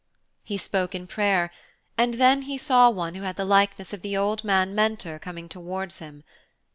He spoke in prayer and then he saw one who had the likeness of the old man Mentor coming towards him.